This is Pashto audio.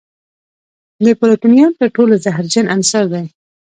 د پلوتونیم تر ټولو زهرجن عنصر دی.